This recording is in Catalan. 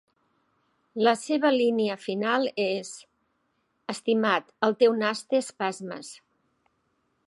La seva línia final és "Estimat, el teu nas té espasmes".